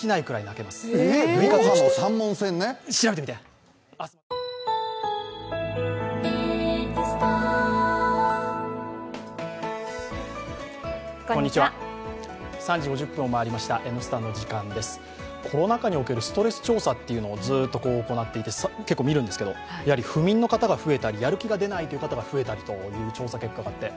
毎話泣かされましたけれども、もう本当に、よかったっていうコロナ禍におけるストレス調査をずっと行っていて、結構見るんですけど、不眠の方が増えたり、やる気が出ないという方が増えたりという調査結果があって